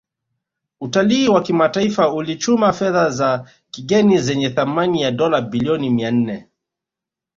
Utalii wa kimataifa ulichuma fedha za kigeni zenye thamani ya Dola bilioni mia nne